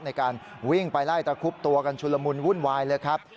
ในการวิ่งไปไล่ตะคุบตัวกันชุลมุนวุ่นวายเลยครับ